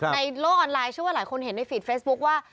ในโลกออนไลน์เชื่อว่าหลายคนเห็นในฟีดเฟซบุ๊คว่า